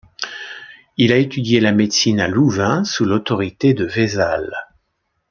Il a étudié la médecine à Louvain, sous l'autorité de Vésale.